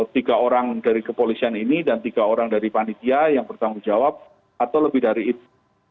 tiga orang dari kepolisian ini dan tiga orang dari panitia yang bertanggung jawab atau lebih dari itu